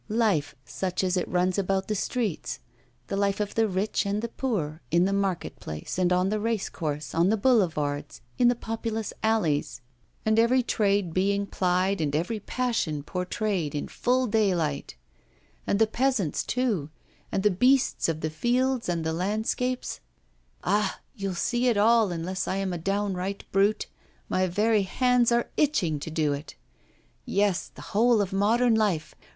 Life such as it runs about the streets, the life of the rich and the poor, in the market places, on the race courses, on the boulevards, in the populous alleys; and every trade being plied, and every passion portrayed in full daylight, and the peasants, too, and the beasts of the fields and the landscapes ah! you'll see it all, unless I am a downright brute. My very hands are itching to do it. Yes! the whole of modern life!